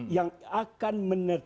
yang akan menertib